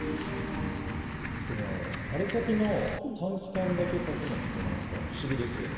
でも春先の短期間だけ咲くのって何か不思議ですよね。